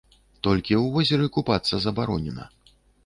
Толькі ў возеры купацца забаронена.